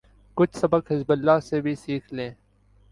کچھ سبق حزب اللہ سے بھی سیکھ لیں۔